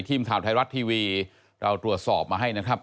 ทีมข่าวไทยรัฐทีวีเราตรวจสอบมาให้นะครับ